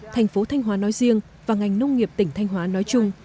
thành phố thanh hóa nói riêng và ngành nông nghiệp tỉnh thanh hóa nói chung